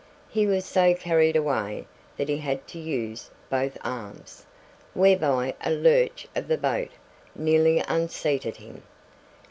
He was so carried away that he had to use both arms, whereby a lurch of the boat nearly unseated him.